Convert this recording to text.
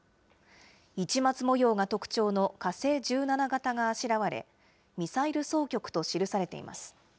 市松模様が特徴の火星１７型があしらわれ、ミサイル総局と記されています。